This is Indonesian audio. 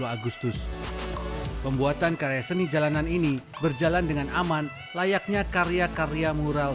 dua agustus pembuatan karya seni jalanan ini berjalan dengan aman layaknya karya karya mural